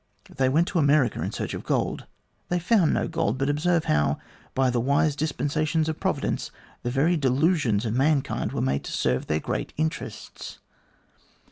They went to America in search of gold. They found no gold ; but observe how, by the wise dispensations of Provi dence, the very delusions of mankind were made to serve their great interests.